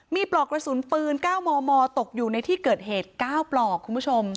มีปลอกกระสุนปืน๙มมตกอยู่ในที่เกิดเหตุ๙ปลอกคุณผู้ชม